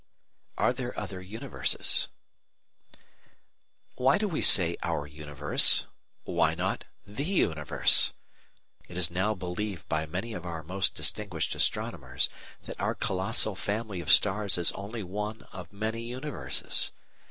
Are there other Universes? Why do we say "our universe"? Why not the universe? It is now believed by many of our most distinguished astronomers that our colossal family of stars is only one of many universes.